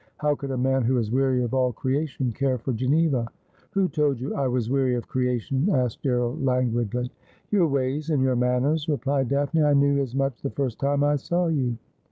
How could a man who is weary of all creation care for Geneva ?'' Who told you I was weary of creation ?' asked Gerald languidly. ' Your ways and your manners,' replied Daphne. ' I knew as much the first time 1 saw you.'